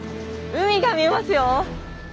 海が見えますよ。